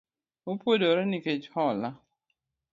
Opuodore nikech hola